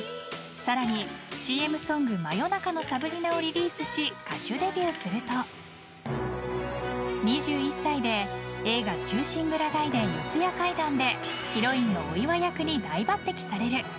更に、ＣＭソング「真夜中のサブリナ」をリリースし、歌手デビューすると２１歳で映画「忠臣蔵外伝四谷怪談」でヒロインのお岩役に大抜擢される。